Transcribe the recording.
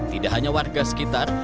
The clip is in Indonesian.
tidak hanya warga sekitar